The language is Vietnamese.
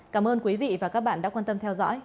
cảm ơn quý vị và các bạn đã quan tâm theo dõi